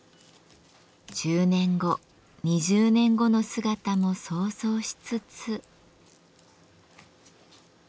１０年後２０年後の姿も想像しつつ。